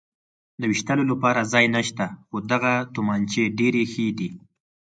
د وېشتلو لپاره ځای نشته، خو دغه تومانچې ډېرې ښې دي.